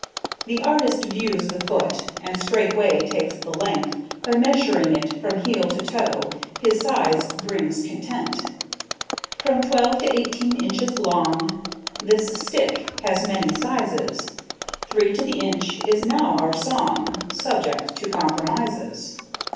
The Artist views the foot, And straightway takes the length, By measuring it from heel to toe, His size brings content. From twelve to eighteen inches long This stick has many sizes; Three to the inch is now our song, Subject to compromises.